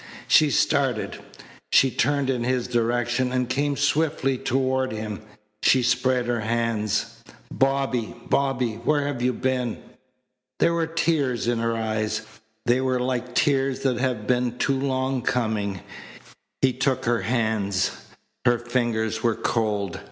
She started. She turned in his direction and came swiftly toward him. She spread her hands. "Bobby! Bobby! Where have you been?" There were tears in her eyes. They were like tears that have been too long coming. He took her hands. Her fingers were cold.